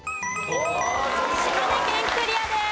島根県クリアです。